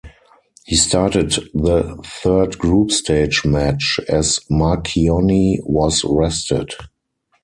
He started the third group stage match, as Marchionni was rested.